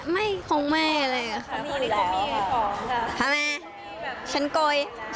ไม่คงไม่เลยค่ะ